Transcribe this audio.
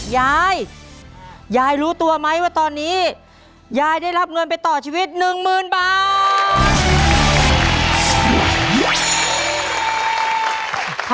ยายยายรู้ตัวไหมว่าตอนนี้ยายได้รับเงินไปต่อชีวิต๑๐๐๐บาท